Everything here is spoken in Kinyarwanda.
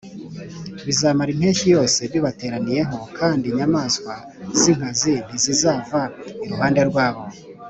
bizamara impeshyi yose bibateraniyeho kandi inyamaswa zinkazi ntizizava iruhande rwabo